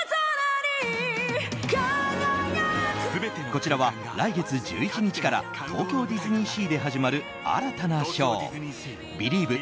こちらは来月１１日から東京ディズニーシーで始まる新たなショー「ビリーヴ！